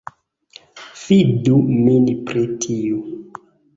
Fidu min pri tiu